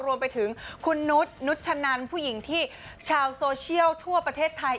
รวมไปถึงคุณนุษย์นุชชะนันผู้หญิงที่ชาวโซเชียลทั่วประเทศไทย